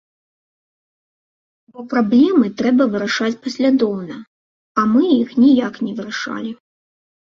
Бо праблемы трэба вырашаць паслядоўна, а мы іх ніяк не вырашалі.